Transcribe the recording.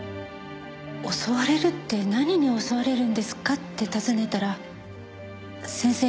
襲われるって何に襲われるんですかって尋ねたら先生